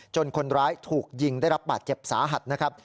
คนร้ายถูกยิงได้รับบาดเจ็บสาหัสนะครับ